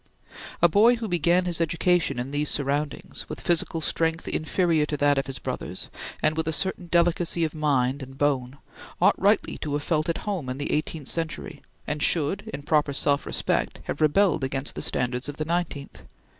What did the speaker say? A boy who began his education in these surroundings, with physical strength inferior to that of his brothers, and with a certain delicacy of mind and bone, ought rightly to have felt at home in the eighteenth century and should, in proper self respect, have rebelled against the standards of the nineteenth.